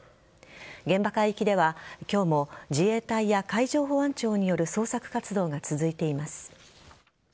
現場海域では今日も自衛隊や海上保安庁による捜索活動が続いています。